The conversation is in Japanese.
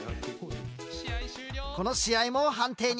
この試合も判定に。